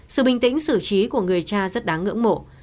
sự bình tĩnh xử trí của người cha rất đáng ngưỡng mộ